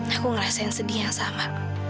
aku ngerasain sedih yang sama